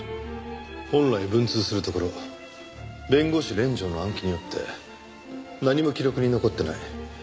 本来文通するところを弁護士連城の暗記によって何も記録に残ってない。